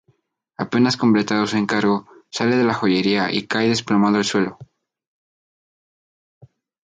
Apenas completado su encargo, sale de la joyería y cae desplomado al suelo.